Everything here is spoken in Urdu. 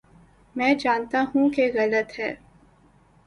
میں جانتا ہوں کہ غلط ہے۔